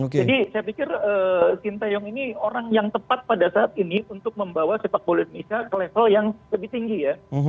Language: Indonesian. jadi saya pikir sintiung ini orang yang tepat pada saat ini untuk membawa sepak bola indonesia ke level yang lebih tinggi ya